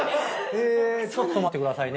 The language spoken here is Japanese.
えちょっと待ってくださいね。